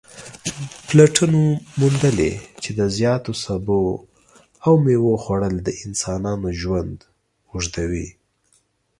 پلټنو موندلې چې د زیاتو سبو او میوو خوړل د انسانانو ژوند اوږدوي